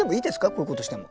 こういうことしても。